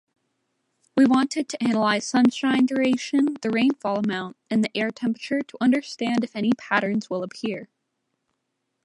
We wanted to analyze sunshine duration, the rainfall amount and the air temperature to understand if any patterns will appear.